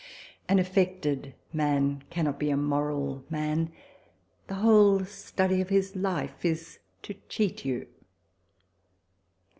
An^affected man cannot be a moral man. The whole study of his life is to cheat you.